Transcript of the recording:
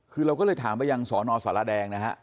คือเราก็เลยถามไปยังสนสารแดงนะฮะ